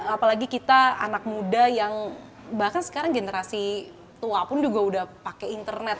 apalagi kita anak muda yang bahkan sekarang generasi tua pun juga udah pakai internet